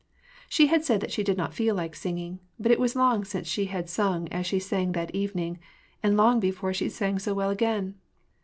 She had said that she did not feel like singing ; but it was long since she had sung as she sang that evening, and long before she sang so well again.